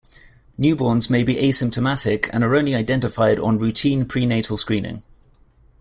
Newborns may be asymptomatic and are only identified on routine prenatal screening.